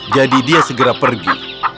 jadi dia segera pergi